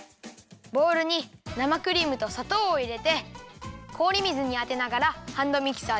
ボウルになまクリームとさとうをいれてこおりみずにあてながらハンドミキサーであわだてるよ。